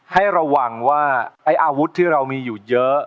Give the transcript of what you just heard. ให้ระวังว่าไอ้อาวุธที่เรามีอยู่เยอะ